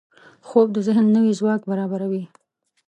خوب د ذهن نوي ځواک برابروي